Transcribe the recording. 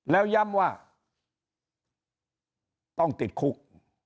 แล้วย้ำว่าต้องติดคุก